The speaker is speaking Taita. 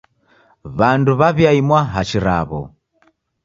W'andu w'aw'iaimwa hachi raw'o.